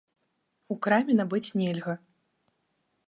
У краме набыць нельга.